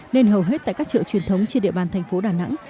nên hầu hết tại các chợ truyền thống trên địa bàn thành phố đà nẵng